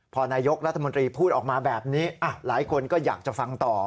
พอนายกรัฐมนตรีพูดออกมาแบบนี้หลายคนก็อยากจะฟังต่อ